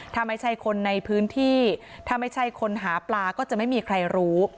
ถ้าไม่ใช่คนในพื้นที่ถ้าไม่ใช่คนหาปลาก็จะไม่มีใครรู้